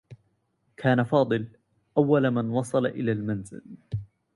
كان فاضل أوّل من وصل إلى المنزل.